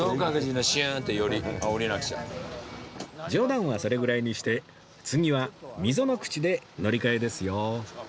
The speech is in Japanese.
冗談はそれぐらいにして次は溝口で乗り換えですよ